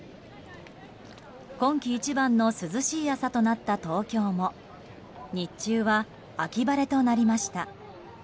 今季一番の涼しい朝となった東京も日中は秋晴れとなりました。